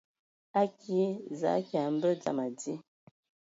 Akie za kia mbə dzam adi.